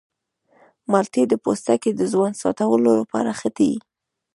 مالټې د پوستکي د ځوان ساتلو لپاره ښه دي.